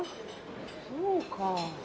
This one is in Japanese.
そうか。